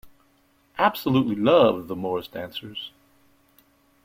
Absolutely loved the Morris dancers!